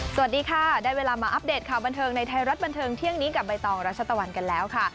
สวัสดีค่ะได้เวลามาอัปเดตข่าวบันเทิงในไทยรัฐบันเทิงเที่ยงนี้กับใบตองรัชตะวันกันแล้วค่ะ